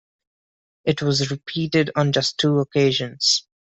It was repeated on just two occasions.